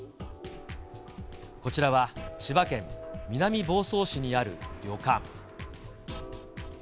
こちらは千葉県南房総市にある旅館。